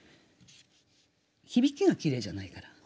響きがきれいじゃないから。